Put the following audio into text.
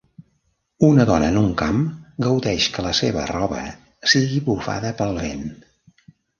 Una dona en un camp gaudeix que la seva roba sigui bufada pel vent.